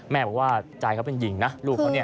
แม่บอกว่าชายเขาเป็นหญิงนะลูกเขา